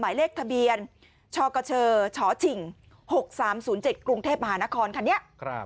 หมายเลขทะเบียนชกชชฉิง๖๓๐๗กรุงเทพมหานครคันนี้